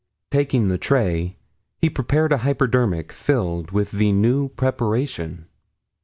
Taking the tray he prepared a hypodermic filled with the new preparation.